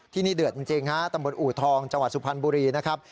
ที่นี่เดือดจริงฮะตำบลอูทองจังหวัดสุพรรณบุรีนะครับ